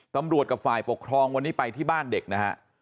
กับฝ่ายปกครองวันนี้ไปที่บ้านเด็กนะฮะ